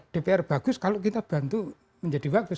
dpr bagus kalau kita bantu menjadi bagus